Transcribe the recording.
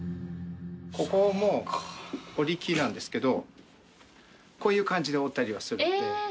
ここ織機なんですけどこういう感じで織ったりはするんで。